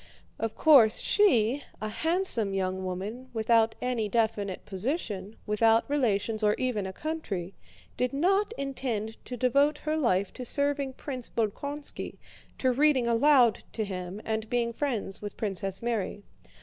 Of course, she, a handsome young woman without any definite position, without relations or even a country, did not intend to devote her life to serving Prince Bolkónski, to reading aloud to him and being friends with Princess Mary.